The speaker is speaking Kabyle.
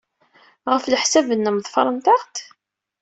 Ɣef leḥsab-nnem, ḍefren-aɣ-d?